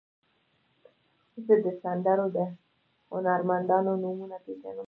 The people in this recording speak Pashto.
زه د سندرو د هنرمندانو نومونه پیژنم.